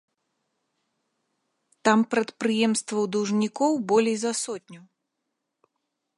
Там прадпрыемстваў-даўжнікоў болей за сотню.